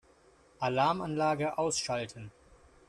Alarmanlage ausschalten.